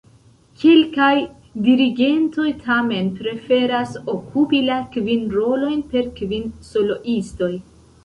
Kelkaj dirigentoj tamen preferas okupi la kvin rolojn per kvin soloistoj.